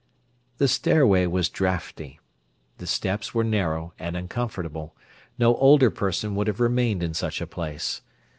The stairway was draughty: the steps were narrow and uncomfortable; no older person would have remained in such a place.